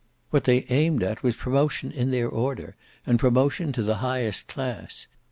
What they aimed at was promotion in their order; and promotion to the highest class.